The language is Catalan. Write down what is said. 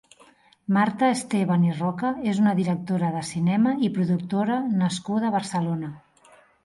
Marta Esteban i Roca és una directora de cinem i productora nascuda a Barcelona.